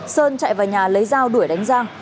sơn chạy vào nhà lấy dao đuổi đánh giang